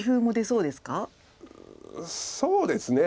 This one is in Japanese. そうですね。